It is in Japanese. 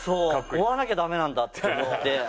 追わなきゃダメなんだって思って。